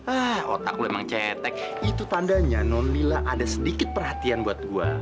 ah otak lo emang cetek itu tandanya nonila ada sedikit perhatian buat gue